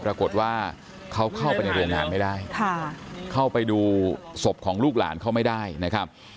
ปรากฏว่าเขาเข้าไปในโรงงานไม่ได้เข้าไปดูศพของลูกหลานเขาไม่ได้นะครับ